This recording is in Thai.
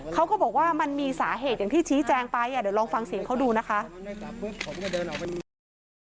เขาก็บอกว่ามันมีสาเหตุอย่างที่ชี้แจงไปเดี๋ยวลองฟังเสียงเขาดูนะคะ